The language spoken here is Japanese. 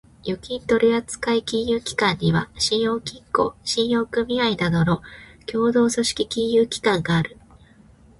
預金取扱金融機関には、信用金庫、信用組合などの協同組織金融機関がある。